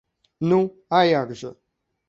Ну, а як жа!